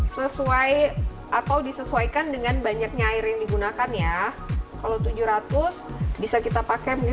sesuai atau disesuaikan dengan banyaknya air yang digunakan ya kalau tujuh ratus bisa kita pakai